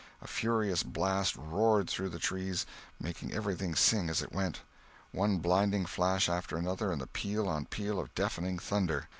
A furious blast roared through the trees, making everything sing as it went. One blinding flash after another came, and peal on peal of deafening thunder.